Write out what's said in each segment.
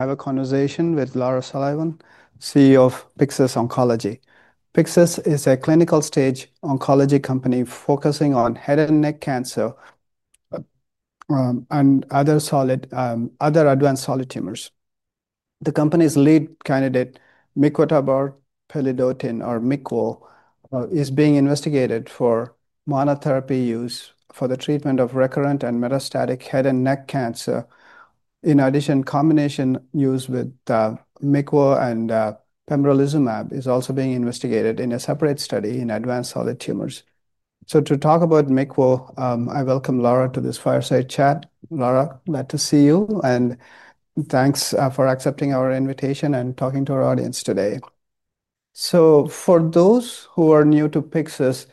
Have a conversation with Lara Sullivan, CEO of Pyxis Oncology. Pyxis is a clinical-stage oncology company focusing on head and neck cancer and other advanced solid tumors. The company's lead candidate, micutorbopilidotin or MICO, is being investigated for monotherapy use for the treatment of recurrent and metastatic head and neck cancer. In addition, combination use with MICO and pembrolizumab is also being investigated in a separate study in advanced solid tumors. To talk about MICO, I welcome Lara to this fireside chat. Lara, glad to see you, and thanks for accepting our invitation and talking to our audience today. For those who are new to Pyxis,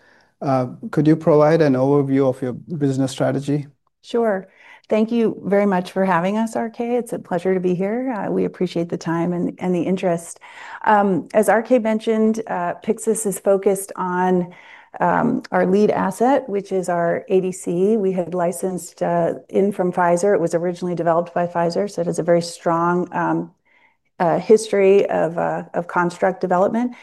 could you provide an overview of your business strategy? Sure. Thank you very much for having us, RK. It's a pleasure to be here. We appreciate the time and the interest. As RK mentioned, Pyxis Oncology is focused on our lead asset, which is our ADC. We had licensed it in from Pfizer. It was originally developed by Pfizer, so it has a very strong history of construct development.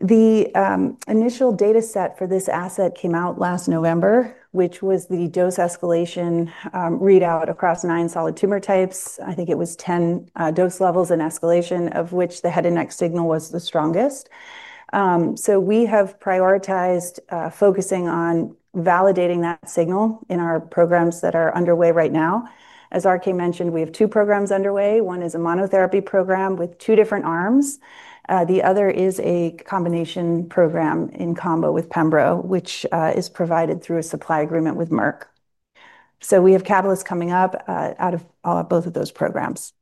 The initial data set for this asset came out last November, which was the dose escalation readout across nine solid tumor types. I think it was 10 dose levels in escalation, of which the head and neck signal was the strongest. We have prioritized focusing on validating that signal in our programs that are underway right now. As RK mentioned, we have two programs underway. One is a monotherapy program with two different arms. The other is a combination program in combo with pembrolizumab, which is provided through a supply agreement with Merck & Co. We have catalysts coming up out of both of those programs.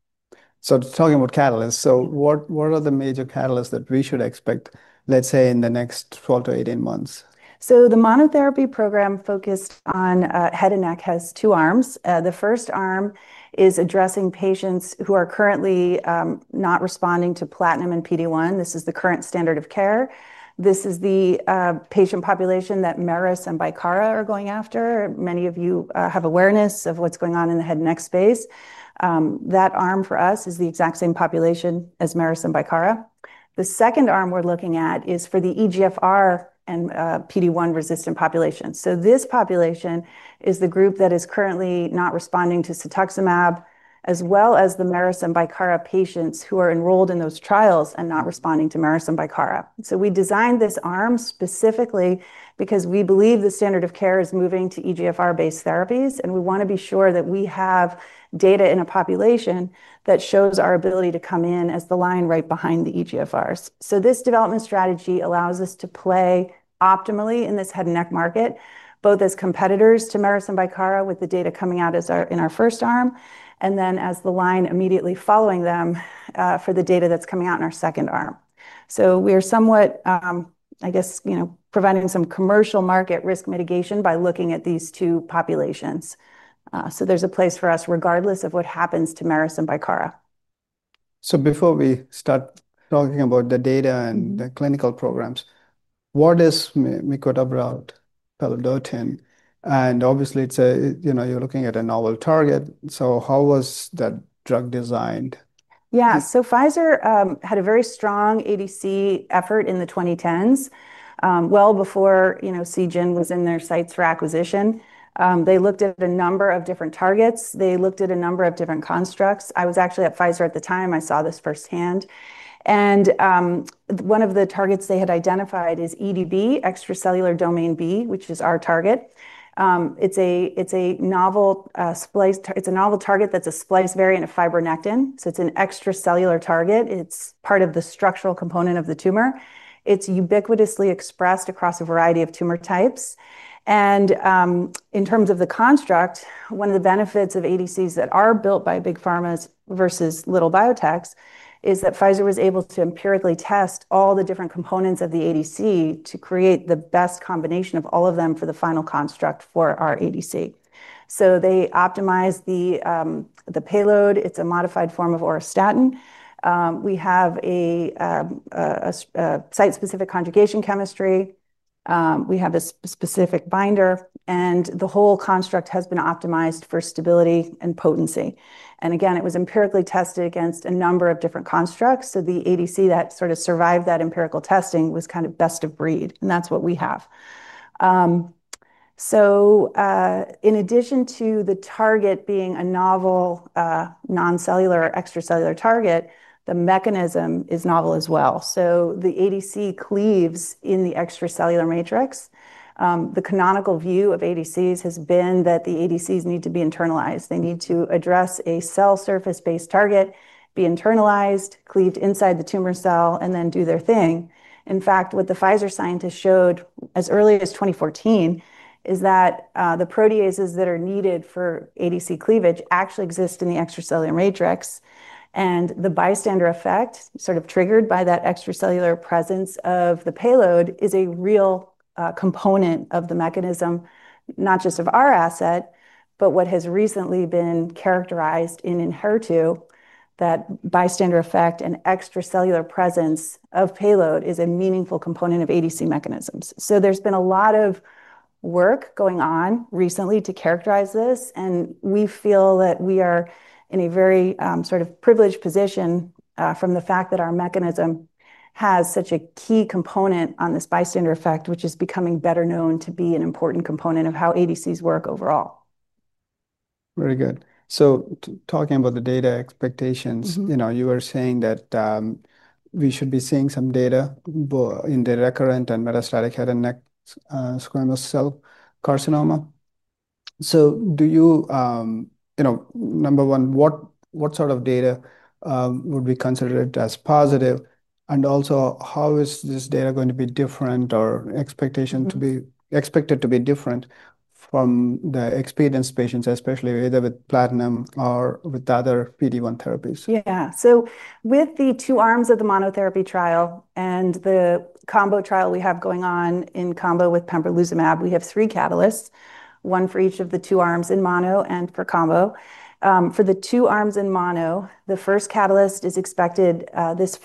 What are the major catalysts that we should expect, let's say, in the next 12 to 18 months? The monotherapy program focused on head and neck has two arms. The first arm is addressing patients who are currently not responding to platinum and PD-1. This is the current standard of care. This is the patient population that Merus is going after. Many of you have awareness of what's going on in the head and neck space. That arm for us is the exact same population as Merus. The second arm we're looking at is for the EGFR/PD-1-resistant population. This population is the group that is currently not responding to cetuximab, as well as the Merus patients who are enrolled in those trials and not responding to Merus. We designed this arm specifically because we believe the standard of care is moving to EGFR-based therapies, and we want to be sure that we have data in a population that shows our ability to come in as the line right behind the EGFRs. This development strategy allows us to play optimally in this head and neck market, both as competitors to Merus with the data coming out in our first arm, and then as the line immediately following them for the data that's coming out in our second arm. We are somewhat, I guess, you know, preventing some commercial market risk mitigation by looking at these two populations. There's a place for us regardless of what happens to Merus. Before we start talking about the data and the clinical programs, what is micutorbopilidotin? Obviously, you're looking at a novel target. How was that drug designed? Yeah, Pfizer had a very strong ADC effort in the 2010s, well before CGEN was in their sights for acquisition. They looked at a number of different targets. They looked at a number of different constructs. I was actually at Pfizer at the time. I saw this firsthand. One of the targets they had identified is EDB, extracellular domain B, which is our target. It's a novel target that's a splice variant of fibronectin. It's an extracellular target. It's part of the structural component of the tumor. It's ubiquitously expressed across a variety of tumor types. In terms of the construct, one of the benefits of ADCs that are built by big pharmas versus little biotechs is that Pfizer was able to empirically test all the different components of the ADC to create the best combination of all of them for the final construct for our ADC. They optimized the payload. It's a modified form of orostatin. We have a site-specific conjugation chemistry. We have a specific binder. The whole construct has been optimized for stability and potency. It was empirically tested against a number of different constructs. The ADC that survived that empirical testing was kind of best of breed. That's what we have. In addition to the target being a novel non-cellular or extracellular target, the mechanism is novel as well. The ADC cleaves in the extracellular matrix. The canonical view of ADCs has been that the ADCs need to be internalized. They need to address a cell surface-based target, be internalized, cleaved inside the tumor cell, and then do their thing. In fact, what the Pfizer scientists showed as early as 2014 is that the proteases that are needed for ADC cleavage actually exist in the extracellular matrix. The bystander effect, triggered by that extracellular presence of the payload, is a real component of the mechanism, not just of our asset, but what has recently been characterized in INHER2, that bystander effect and extracellular presence of payload is a meaningful component of ADC mechanisms. There's been a lot of work going on recently to characterize this. We feel that we are in a very privileged position from the fact that our mechanism has such a key component on this bystander effect, which is becoming better known to be an important component of how ADCs work overall. Very good. Talking about the data expectations, you were saying that we should be seeing some data in the recurrent and metastatic head and neck squamous cell carcinoma. What sort of data would be considered as positive? Also, how is this data going to be different or expected to be different from the experienced patients, especially either with platinum or with other PD-1 therapies? Yeah, so with the two arms of the monotherapy trial and the combo trial we have going on in combo with pembrolizumab, we have three catalysts, one for each of the two arms in mono and for combo. For the two arms in mono, the first catalyst is expected this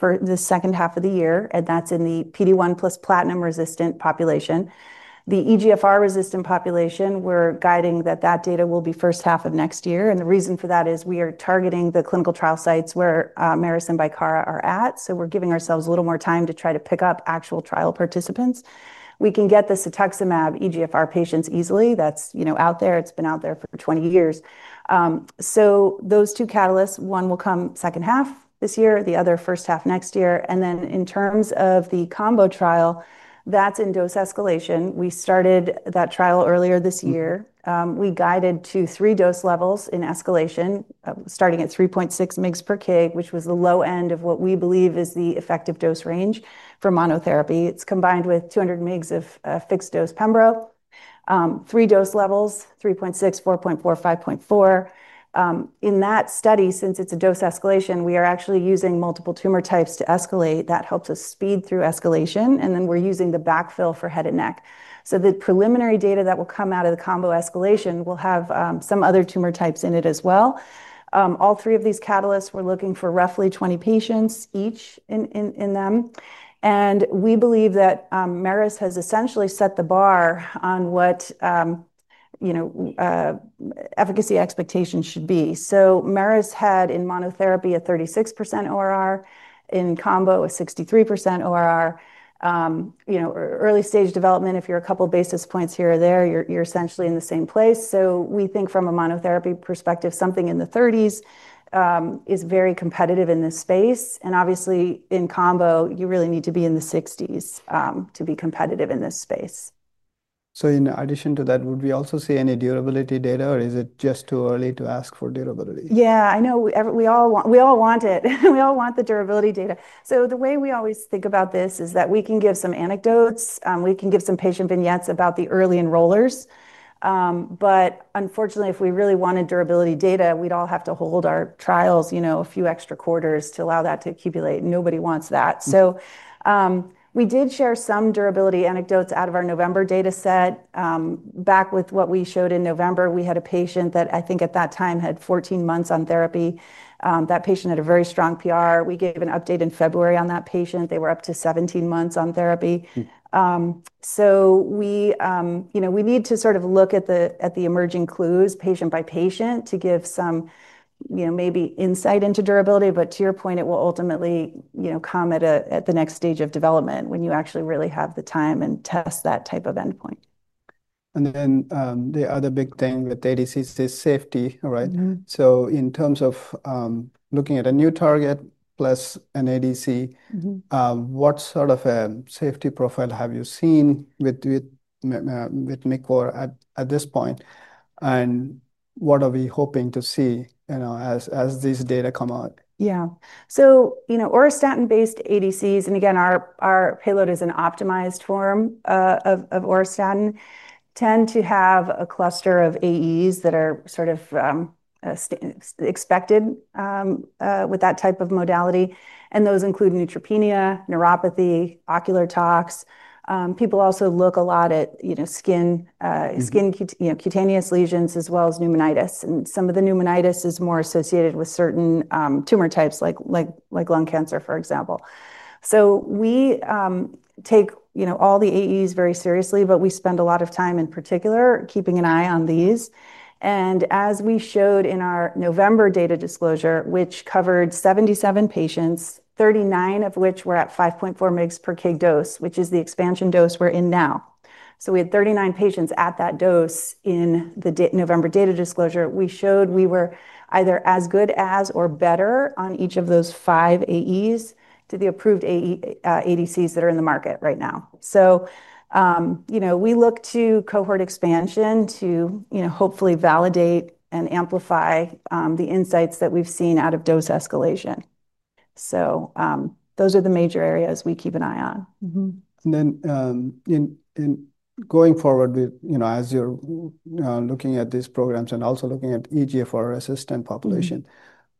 second half of the year, and that's in the PD-1 plus platinum-resistant population. The EGFR-resistant population, we're guiding that that data will be first half of next year. The reason for that is we are targeting the clinical trial sites where Merus and VYIRIA are at. We're giving ourselves a little more time to try to pick up actual trial participants. We can get the cetuximab EGFR patients easily. That's, you know, out there. It's been out there for 20 years. Those two catalysts, one will come second half this year, the other first half next year. In terms of the combo trial, that's in dose escalation. We started that trial earlier this year. We guided to three dose levels in escalation, starting at 3.6 mg/kg, which was the low end of what we believe is the effective dose range for monotherapy. It's combined with 200 mg of fixed dose pembrolizumab. Three dose levels, 3.6, 4.4, 5.4. In that study, since it's a dose escalation, we are actually using multiple tumor types to escalate. That helps us speed through escalation. We're using the backfill for head and neck. The preliminary data that will come out of the combo escalation will have some other tumor types in it as well. All three of these catalysts, we're looking for roughly 20 patients each in them. We believe that Merus has essentially set the bar on what, you know, efficacy expectations should be. Merus had in monotherapy a 36% ORR, in combo a 63% ORR. Early stage development, if you're a couple basis points here or there, you're essentially in the same place. We think from a monotherapy perspective, something in the 30s is very competitive in this space. Obviously, in combo, you really need to be in the 60s to be competitive in this space. In addition to that, would we also see any durability data, or is it just too early to ask for durability? Yeah, I know we all want it. We all want the durability data. The way we always think about this is that we can give some anecdotes. We can give some patient vignettes about the early enrollers. Unfortunately, if we really wanted durability data, we'd all have to hold our trials a few extra quarters to allow that to accumulate. Nobody wants that. We did share some durability anecdotes out of our November data set. Back with what we showed in November, we had a patient that I think at that time had 14 months on therapy. That patient had a very strong PR. We gave an update in February on that patient. They were up to 17 months on therapy. We need to sort of look at the emerging clues patient by patient to give some, you know, maybe insight into durability. To your point, it will ultimately come at the next stage of development when you actually really have the time and test that type of endpoint. The other big thing with ADCs is safety, right? In terms of looking at a new target plus an ADC, what sort of a safety profile have you seen with micutorbopilidotin (MICO) at this point? What are we hoping to see as these data come out? Yeah, orostatin-based ADCs, and again, our payload is an optimized form of orostatin, tend to have a cluster of AEs that are sort of expected with that type of modality. Those include neutropenia, neuropathy, ocular tox. People also look a lot at skin, cutaneous lesions as well as pneumonitis. Some of the pneumonitis is more associated with certain tumor types like lung cancer, for example. We take all the AEs very seriously, but we spend a lot of time in particular keeping an eye on these. As we showed in our November data disclosure, which covered 77 patients, 39 of which were at 5.4 mg/kg dose, which is the expansion dose we're in now. We had 39 patients at that dose in the November data disclosure. We showed we were either as good as or better on each of those five AEs to the approved ADCs that are in the market right now. We look to cohort expansion to hopefully validate and amplify the insights that we've seen out of dose escalation. Those are the major areas we keep an eye on. As you're looking at these programs and also looking at EGFR-resistant population,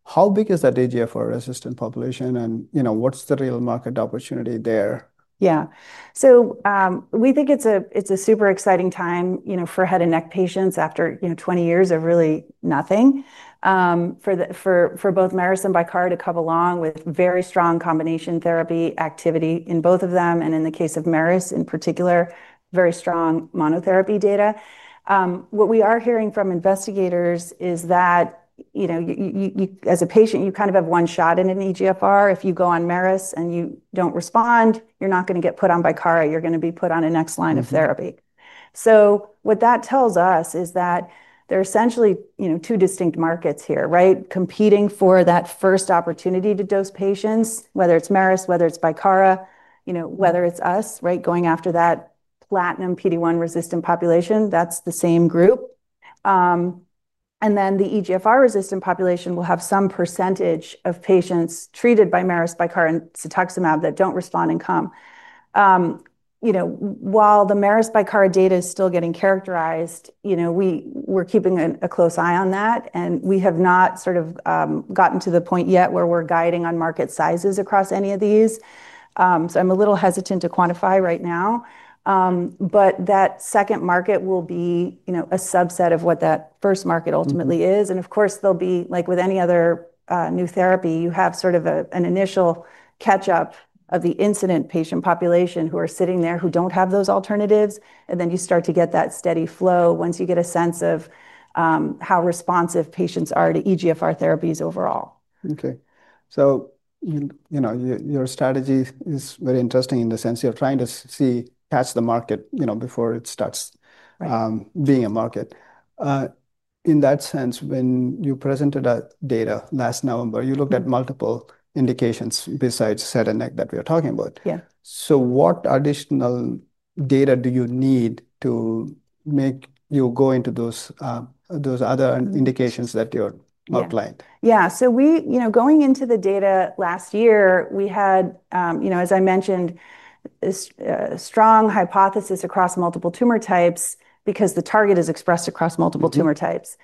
how big is that EGFR-resistant population, and what's the real market opportunity there? Yeah, so, we think it's a super exciting time for head and neck patients after 20 years of really nothing. For both Merus and VYIRIA to come along with very strong combination therapy activity in both of them, and in the case of Merus in particular, very strong monotherapy data. What we are hearing from investigators is that, as a patient, you kind of have one shot at an EGFR. If you go on Merus and you don't respond, you're not going to get put on VYIRIA. You're going to be put on a next line of therapy. What that tells us is that there are essentially two distinct markets here, right? Competing for that first opportunity to dose patients, whether it's Merus, whether it's VYIRIA, whether it's us, right, going after that platinum PD-1 resistant population. That's the same group. The EGFR resistant population will have some percentage of patients treated by Merus, VYIRIA, and cetuximab that don't respond and come. While the Merus, VYIRIA data is still getting characterized, we're keeping a close eye on that. We have not sort of gotten to the point yet where we're guiding on market sizes across any of these. I'm a little hesitant to quantify right now. That second market will be a subset of what that first market ultimately is. Of course, like with any other new therapy, you have sort of an initial catch-up of the incident patient population who are sitting there who don't have those alternatives. Then you start to get that steady flow once you get a sense of how responsive patients are to EGFR therapies overall. Okay. Your strategy is very interesting in the sense you're trying to catch the market before it starts being a market. In that sense, when you presented the data last November, you looked at multiple indications besides head and neck that we are talking about. Yeah. What additional data do you need to make you go into those other indications that you outlined? Yeah, going into the data last year, we had, as I mentioned, a strong hypothesis across multiple tumor types because the target is expressed across multiple tumor types.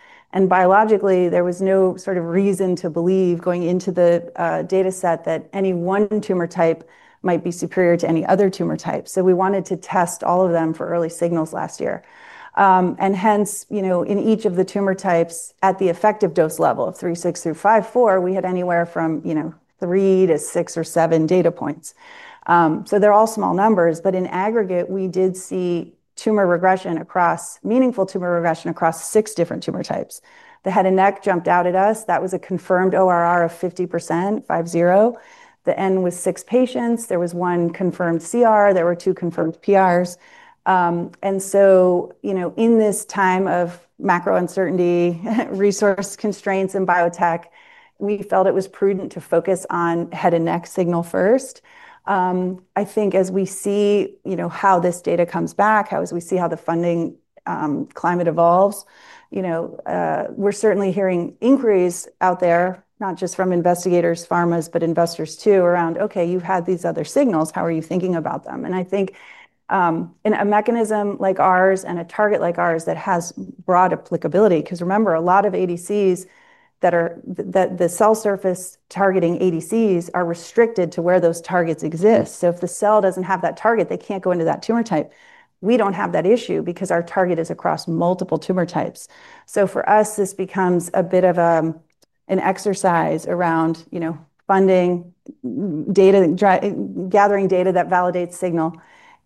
Biologically, there was no reason to believe going into the data set that any one tumor type might be superior to any other tumor type. We wanted to test all of them for early signals last year. In each of the tumor types at the effective dose level of 3.6 through 5.4, we had anywhere from three to six or seven data points. They're all small numbers, but in aggregate, we did see meaningful tumor regression across six different tumor types. The head and neck jumped out at us. That was a confirmed ORR of 50%. The N was six patients. There was one confirmed CR. There were two confirmed PRs. In this time of macro uncertainty, resource constraints in biotech, we felt it was prudent to focus on head and neck signal first. I think as we see how this data comes back, as we see how the funding climate evolves, we're certainly hearing inquiries out there, not just from investigators, pharmas, but investors too, around, okay, you had these other signals. How are you thinking about them? I think in a mechanism like ours and a target like ours that has broad applicability, because remember, a lot of ADCs that are the cell surface targeting ADCs are restricted to where those targets exist. If the cell doesn't have that target, they can't go into that tumor type. We don't have that issue because our target is across multiple tumor types. For us, this becomes a bit of an exercise around funding, gathering data that validates signal,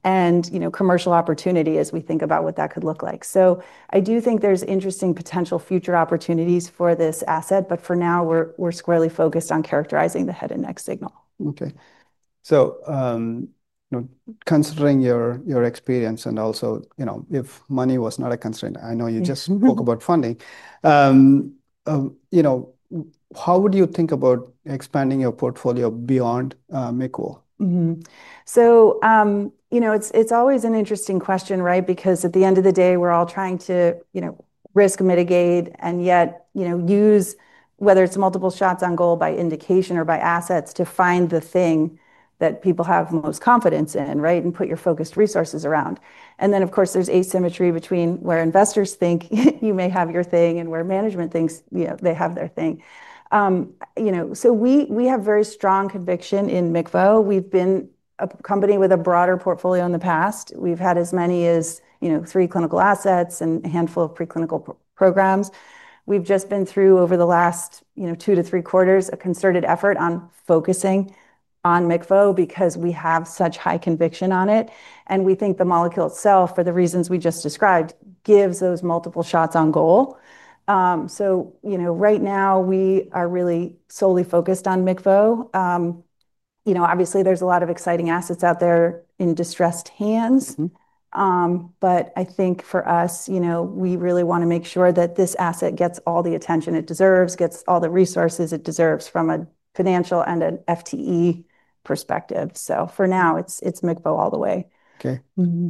and commercial opportunity as we think about what that could look like. I do think there's interesting potential future opportunities for this asset, but for now, we're squarely focused on characterizing the head and neck signal. Okay. Considering your experience and also, if money was not a constraint, I know you just spoke about funding, how would you think about expanding your portfolio beyond MICO? It's always an interesting question, right? Because at the end of the day, we're all trying to risk mitigate and yet use whether it's multiple shots on goal by indication or by assets to find the thing that people have most confidence in, right? Put your focused resources around it. Of course, there's asymmetry between where investors think you may have your thing and where management thinks they have their thing. We have very strong conviction in micutorbopilidotin (MICO). We've been a company with a broader portfolio in the past. We've had as many as three clinical assets and a handful of preclinical programs. Over the last two to three quarters, we've been through a concerted effort on focusing on MICO because we have such high conviction on it. We think the molecule itself, for the reasons we just described, gives those multiple shots on goal. Right now, we are really solely focused on MICO. Obviously, there's a lot of exciting assets out there in distressed hands. I think for us, we really want to make sure that this asset gets all the attention it deserves, gets all the resources it deserves from a financial and an FTE perspective. For now, it's MICO all the way. Okay,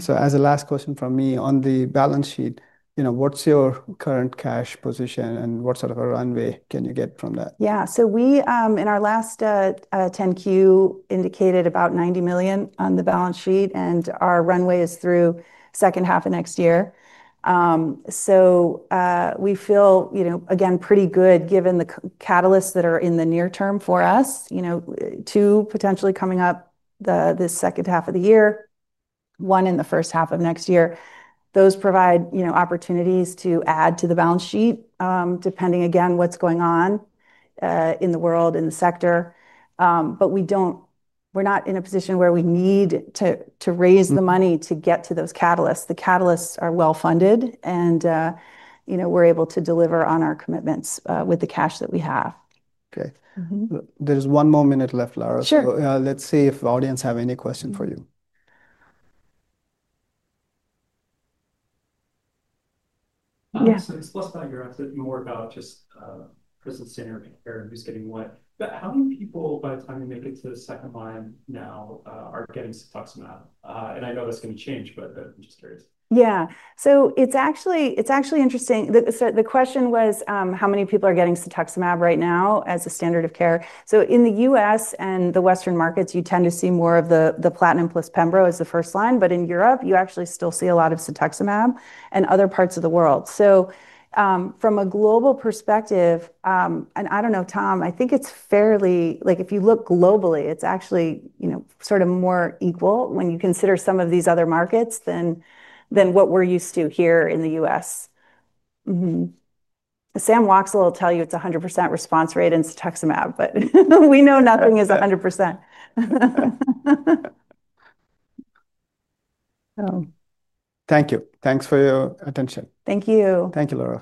as a last question from me, on the balance sheet, you know, what's your current cash position and what sort of a runway can you get from that? Yeah, in our last 10-Q, indicated about $90 million on the balance sheet, and our runway is through the second half of next year. We feel pretty good given the catalysts that are in the near term for us, two potentially coming up this second half of the year, one in the first half of next year. Those provide opportunities to add to the balance sheet, depending again on what's going on in the world, in the sector. We're not in a position where we need to raise the money to get to those catalysts. The catalysts are well funded, and we're able to deliver on our commitments with the cash that we have. Okay, there's one more minute left, Lara. Sure. Let's see if the audience has any questions for you. Yeah, this last paragraph is more about just presenting or at least getting what, how many people, but limited to the second line now, are getting cetuximab? I know that's going to change, but I'm just curious. Yeah, it's actually interesting. The question was how many people are getting cetuximab right now as a standard of care. In the U.S. and the Western markets, you tend to see more of the platinum plus pembrolizumab as the first line, but in Europe, you actually still see a lot of cetuximab and other parts of the world. From a global perspective, and I don't know, Tom, I think it's fairly, like if you look globally, it's actually more equal when you consider some of these other markets than what we're used to here in the U.S. Sam Woxel will tell you it's 100% response rate in cetuximab, but we know nothing is 100%. Thank you. Thanks for your attention. Thank you. Thank you, Lara.